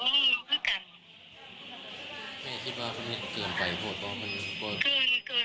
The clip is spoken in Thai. นี่มีกระจายเต็มสมองเศษเล็กเต็ม